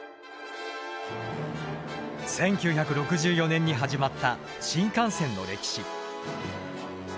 １９６４年に始まった新幹線の歴史。